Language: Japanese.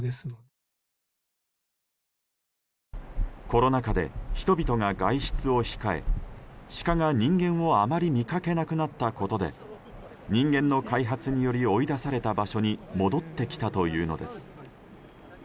コロナ禍で人々が外出を控えシカが人間をあまり見かけなくなったことで人間の開発により追い出された場所に戻ってきたというのです。